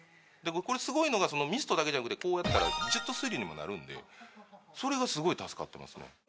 でこれすごいのがミストだけじゃなくてこうやったらジェット水流にもなるんでそれがすごい助かってますね。